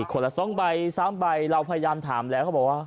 คนละ๒ใบ๓ใบเราพยายามถามแล้วเขาบอกว่า